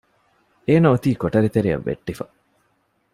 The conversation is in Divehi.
އޭނާ އޮތީ ކޮޓަރި ތެރެއަށް ވެއްޓިފަ